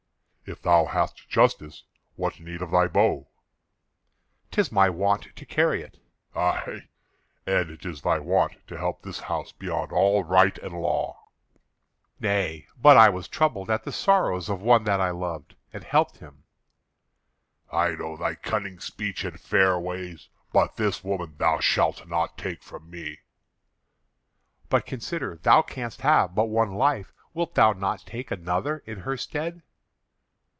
"If thou hast justice, what need of thy bow?" "'Tis my wont to carry it." "Ay, and it is thy wont to help this house beyond all right and law." "Nay, but I was troubled at the sorrows of one that I loved, and helped him." "I know thy cunning speech and fair ways; but this woman thou shalt not take from me." "But consider; thou canst have but one life. Wilt thou not take another in her stead?"